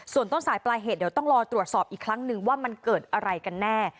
ส่วนต้นสายปลายเหตุเดี๋ยวต้องรอตรวจสอบอีกครั้งนึงว่ามันเกิดอะไรกันแน่